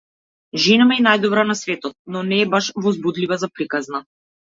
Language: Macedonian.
Жена ми е најдобра на светот, но не е баш возбудлива за приказна.